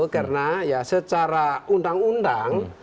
karena secara undang undang